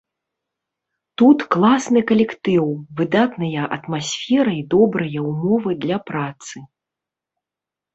Тут класны калектыў, выдатная атмасфера і добрыя ўмовы для працы.